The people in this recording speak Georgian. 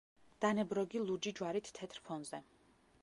დანებროგი ლურჯი ჯვარით თეთრ ფონზე.